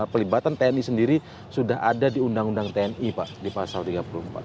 pelibatan tni sendiri sudah ada di undang undang tni pak di pasal tiga puluh empat